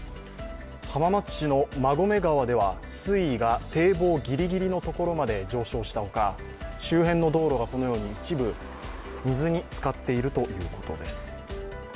浜松市の馬込川では水位が堤防ギリギリのところまで上昇したほか、周辺の道路がこのように一部水につかっているということです。